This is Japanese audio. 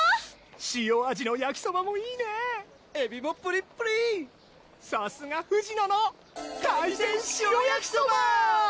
・塩味のやきそばもいいね・・エビもプリップリ・さすがふじのの海鮮塩やきそば！